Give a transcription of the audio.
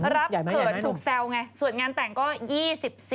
เขินถูกแซวไงส่วนงานแต่งก็๒๔